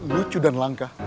lucu dan langka